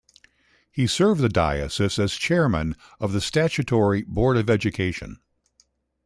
He served the diocese as chairman of the statutory Board of Education.